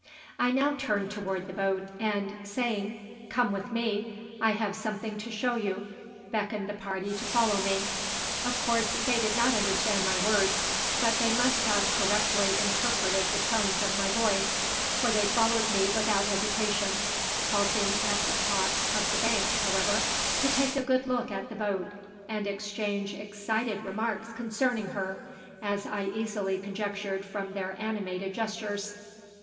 I now turned toward the boat and, saying: "Come with me; I have something to show you," beckoned the party to follow me. Of course they did not understand my words, but they must have correctly interpreted the tones of my voice, for they followed me without hesitation, halting at the top of the bank, however, to take a good look at the boat and exchange excited remarks concerning her as I easily conjectured from their animated gestures.